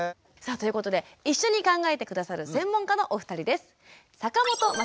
さあということで一緒に考えて下さる専門家のお二人です。